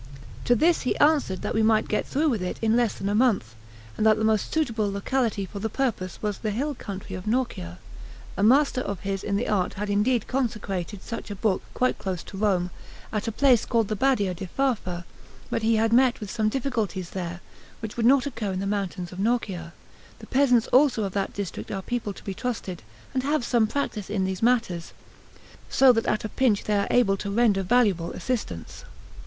To this he answered that we might get through with it in less than a month, and that the most suitable locality for the purpose was the hill country of Norcia; a master of his in the art had indeed consecrated such a book quite close to Rome, at a place called the Badia di Farfa; but he had met with some difficulties there, which would not occur in the mountains of Norcia; the peasants also of that district are people to be trusted, and have some practice in these matters, so that at a pinch they are able to render valuable assistance.